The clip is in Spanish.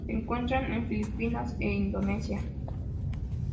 Se encuentra en Filipinas e Indonesia.